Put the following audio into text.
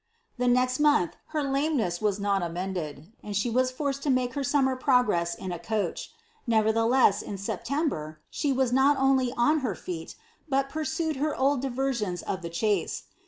The next month her lameness was not amended, and she was forced to make her summer progress in a coach. Nevertheless, in September the was not only on her feet, but pursuing her old diversions of the chase.